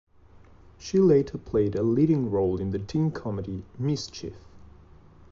She later played a leading role in the teen comedy "Mischief".